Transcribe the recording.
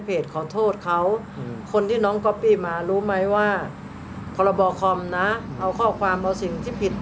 เอาระบอกคอมนะเอาข้อความเอาสิ่งที่ผิด